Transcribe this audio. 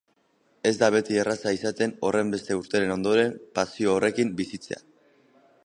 Ez da beti erraza izaten horrenbeste urteren ondoren pasio horrekin bizitzea.